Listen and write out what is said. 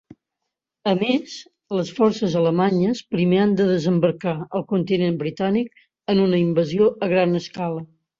A més, les forces alemanyes primer han de desembarcar al continent britànic en una invasió a gran escala.